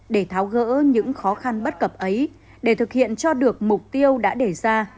để tháo gỡ những khó khăn bất cập ấy để thực hiện cho được mục tiêu đã đề ra